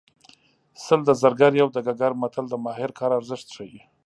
سل د زرګر یو د ګګر متل د ماهر کار ارزښت ښيي